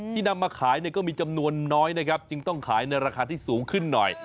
นำมาขายเนี่ยก็มีจำนวนน้อยนะครับจึงต้องขายในราคาที่สูงขึ้นหน่อย